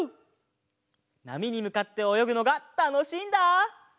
なみにむかっておよぐのがたのしいんだ！